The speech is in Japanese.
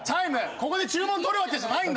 ここで注文とるわけじゃない！